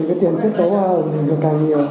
thì tiền chất có hoa hồng càng nhiều